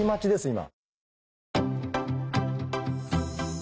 今。